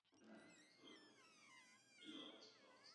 授業中に出したら学生生活終わるナリ